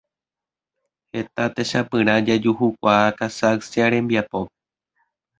Heta techapyrã jajuhukuaa Casaccia rembiapópe.